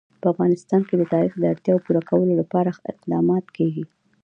په افغانستان کې د تاریخ د اړتیاوو پوره کولو لپاره اقدامات کېږي.